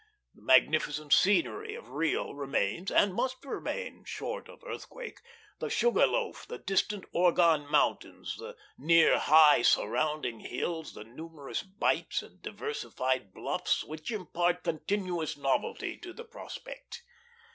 The magnificent scenery of Rio remains, and must remain, short of earthquake; the Sugar Loaf, the distant Organ mountains, the near, high, surrounding hills, the numerous bights and diversified bluffs, which impart continuous novelty to the prospect.